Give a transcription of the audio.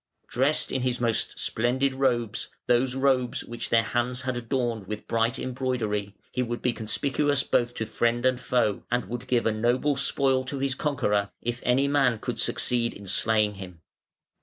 Dressed in his most splendid robes, those robes which their hands had adorned with bright embroidery, he would be conspicuous both to friend and foe, and would give a noble spoil to his conqueror if any man could succeed in slaying him.